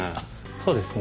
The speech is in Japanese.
そうですね。